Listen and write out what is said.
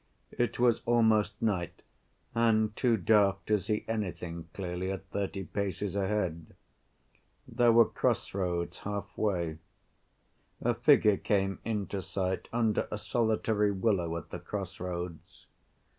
It was almost night, and too dark to see anything clearly at thirty paces ahead. There were cross‐roads half‐way. A figure came into sight under a solitary willow at the cross‐roads.